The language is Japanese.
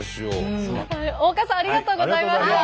大岡さんありがとうございました。